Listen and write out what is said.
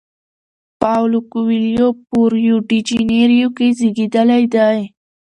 پاولو کویلیو په ریو ډی جنیرو کې زیږیدلی دی.